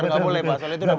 gak boleh ya